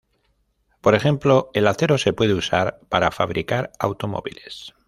Por ejemplo, el acero se puede usar para fabricar automóviles.